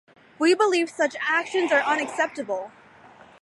We believe such actions are unacceptable.